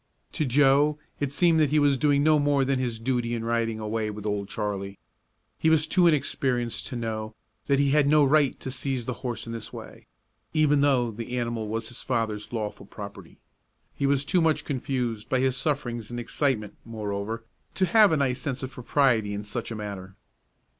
To Joe it seemed that he was doing no more than his duty in riding away with Old Charlie. He was too inexperienced to know that he had no right to seize the horse in this way, even though the animal was his father's lawful property. He was too much confused by his sufferings and excitement, moreover, to have a nice sense of propriety in such a matter.